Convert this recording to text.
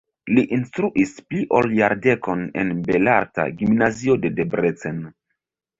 Li instruis pli ol jardekon en belarta gimnazio de Debrecen.